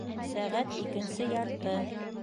Сәғәт икенсе ярты